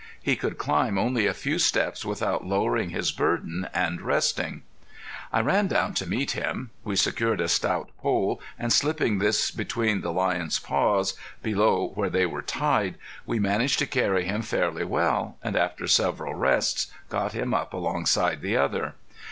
He could climb only a few steps without lowering his burden and resting. I ran down to meet him. We secured a stout pole, and slipping this between the lion's paws, below where they were tied, we managed to carry him fairly well, and after several rests, got him up alongside the other.